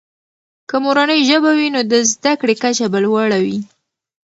که مورنۍ ژبه وي، نو د زده کړې کچه به لوړه وي.